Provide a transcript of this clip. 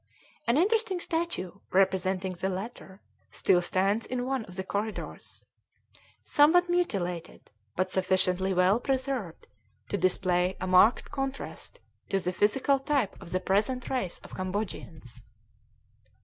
An interesting statue, representing the latter, still stands in one of the corridors, somewhat mutilated, but sufficiently well preserved to display a marked contrast to the physical type of the present race of Cambodians.